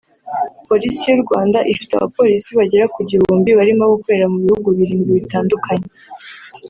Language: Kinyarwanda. Polisi y’u Rwanda ifite abapolisi bagera ku gihumbi barimo gukorera mu bihugu birindwi bitandukanye